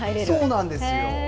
そうなんですよ。